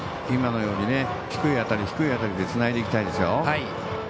今のように低い当たり低い当たりでつないでいきたいですよ。